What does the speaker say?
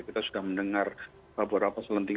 kita sudah mendengar beberapa selentingan